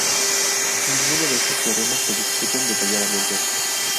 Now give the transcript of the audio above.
Ninguno de estos teoremas se discuten detalladamente aquí.